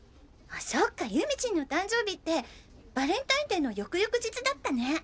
そっか祐美チンの誕生日ってバレンタインデーの翌々日だったね。